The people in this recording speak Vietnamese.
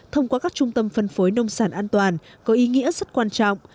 thông qua các trung tâm phân phối nông sản an toàn có ý nghĩa rất quan trọng